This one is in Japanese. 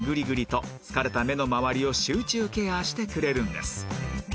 グリグリと疲れた目の周りを集中ケアしてくれるんです